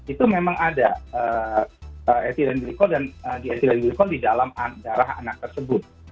itu memang ada ethylene glycol dan diethylene glycol di dalam darah anak tersebut